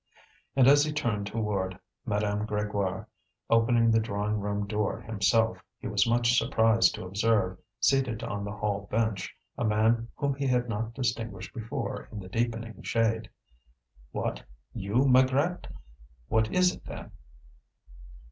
And as he turned toward Madame Grégoire, opening the drawing room door himself, he was much surprised to observe, seated on the hall bench, a man whom he had not distinguished before in the deepening shade. "What! you, Maigrat! what is it, then?"